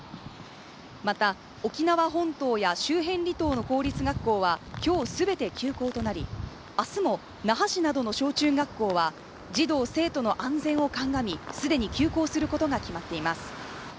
また、沖縄本島や周辺離島の公立学校は今日全て休校となり、明日も那覇市などの小中学校は児童生徒の安全を鑑み既に休校することが決まっています。